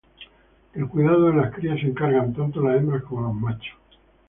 Del cuidado de las crías se encargan tanto las hembras como los machos.